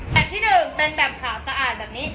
แต่ที่หนึ่งเป็นแบบขาวสะอาดแบบนี้